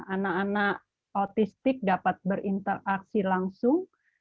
anak anak autistik dapat berinteraksi langsung